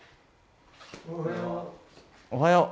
おはよう。